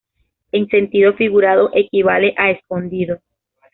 En sentido figurado equivale a "escondido".